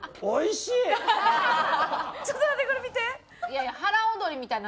ちょっと待ってこれ見て！